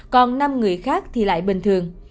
còn năm người khác thì lại bình thường